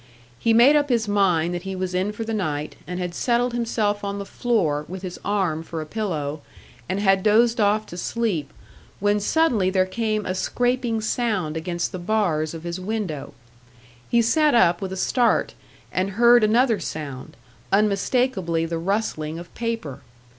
He made up his mind that he was in for the night, and had settled himself on the floor with his arm for a pillow, and had dozed off to sleep, when suddenly there came a scraping sound against the bars of his window. He sat up with a start, and heard another sound, unmistakably the rustling of paper.